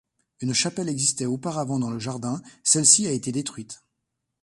Une chapelle existait auparavant dans le jardin, celle-ci a été détruite.